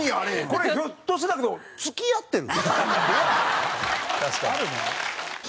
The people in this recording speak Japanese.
これひょっとしてだけど付き合ってる？